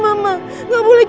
nanti kita berjalan